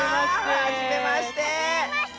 はじめまして。